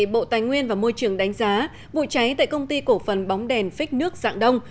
bộ tài nguyên và môi trường đánh giá vụ cháy tại công ty cổ phần bóng đèn phích nước dạng đông